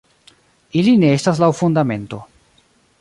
Ili ne estas laŭ Fundamento.